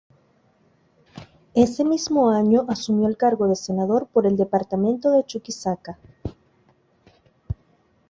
Ese mismo año asumió el cargo de senador por el departamento de Chuquisaca.